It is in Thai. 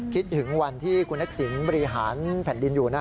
คิดถึงวันที่คุณทักษิณบริหารแผ่นดินอยู่นะ